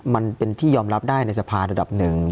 มันเป็นที่ยอมรับได้ในสภาระดับหนึ่ง